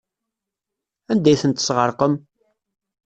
Anda ay tent-tesɣerqem?